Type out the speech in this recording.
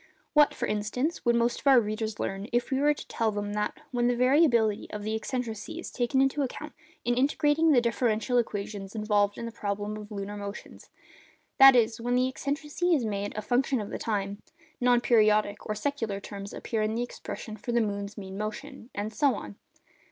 What, for instance, would most of our readers learn if we were to tell them that, 'when the variability of the eccentricity is taken into account, in integrating the differential equations involved in the problem of the lunar motions—that is, when the eccentricity is made a function of the time—non periodic or secular terms appear in the expression for the moon's mean motion'—and so on?